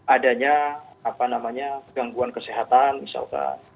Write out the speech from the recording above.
adanya apa namanya gangguan kesehatan misalkan